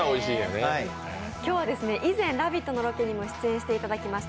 今日は以前「ラヴィット！」のロケにも出演していただきました